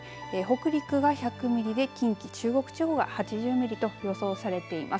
北陸が１００ミリで近畿中国地方が８０ミリと予想されています。